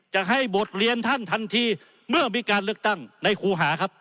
จะให้บทเรียนท่านทันทีเมื่อมีการเลือกตั้งในครูหาครับ